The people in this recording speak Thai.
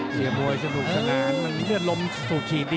เสียมวยสนุกสนานมันเลือดลมสูบฉีดดี